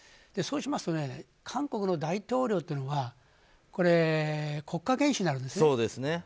そうしますと韓国の大統領というのは国家元首なんですね。